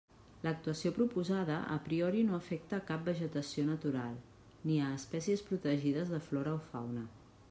L'actuació proposada a priori no afecta cap vegetació natural, ni a espècies protegides de flora o fauna.